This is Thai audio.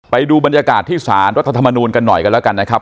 ไปดูบรรยากาศที่สารรัฐธรรมนูลกันหน่อยกันแล้วกันนะครับ